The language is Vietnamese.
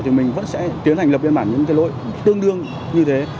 thì mình vẫn sẽ tiến hành lập biên bản những cái lỗi tương đương như thế